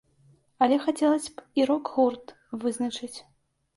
Але хацелася б і рок-гурт вызначыць.